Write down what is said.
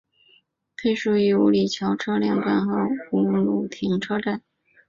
配属于五里桥车辆段和五路停车场。